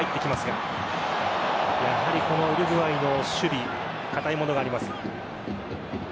このウルグアイの守備堅いものがあります。